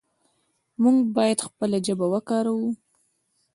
موږ باید خپله ژبه وکاروو.